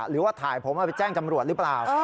หรือว่าถ่ายผมเอาไปแจ้งจำรวจหรือเปล่า